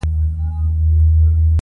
دا ورو او په ثابت ډول سوځي